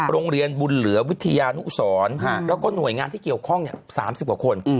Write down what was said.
โรงเรียนบุญเหลือวิทยานุสรแล้วก็หน่วยงานที่เกี่ยวข้อง๓๐กว่าคน